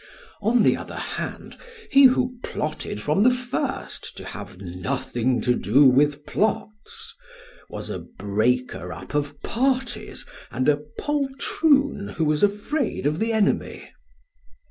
On the other hand, he who plotted from the first to have nothing to do with plots was a breaker up of parties and a poltroon who was afraid of the enemy.